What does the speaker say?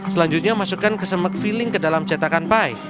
selanjutnya masukkan kesembek filling ke dalam cetakan pai